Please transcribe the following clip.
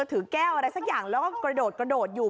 ถือแก้วอะไรสักอย่างแล้วก็กระโดดกระโดดอยู่